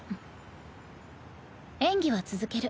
演技は続ける。